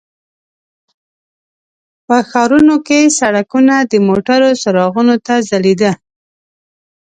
په ښارونو کې سړکونه د موټرو څراغونو ته ځلیده.